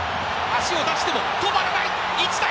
足を出しても止まらない。